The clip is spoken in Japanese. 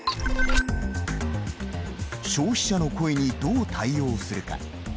消費者の声にどう対応するか。